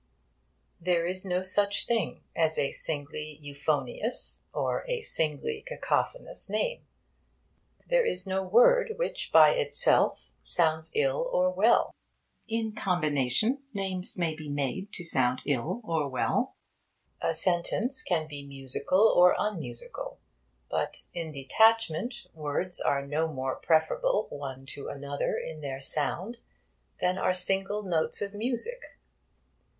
There is no such thing as a singly euphonious or a singly cacophonous name. There is no word which, by itself, sounds ill or well. In combination, names or words may be made to sound ill or well. A sentence can be musical or unmusical. But in detachment words are no more preferable one to another in their sound than are single notes of music.